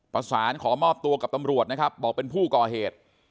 ประสานขอมอบตัวกับตำรวจนะครับบอกเป็นผู้ก่อเหตุ